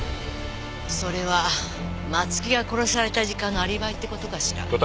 それは松木が殺された時間のアリバイって事かしら？